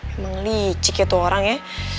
emang licik ya tuh orang ya